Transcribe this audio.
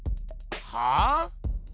はあ？